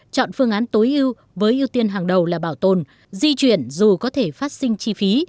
chọn phương án tối ưu với ưu tiên hàng đầu là bảo tồn di chuyển dù có thể phát sinh chi phí